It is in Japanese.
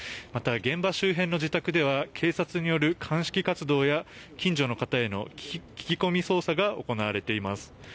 また、現場周辺の自宅では警察による鑑識活動や近所の方への聞き込み捜査が行われています。